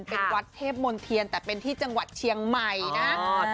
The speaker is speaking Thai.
เป็นวัดเทพมนเทียนแต่เป็นที่จังหวัดเชียงใหม่นะ